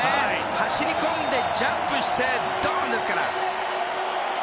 走り込んで、ジャンプしてドーンですから。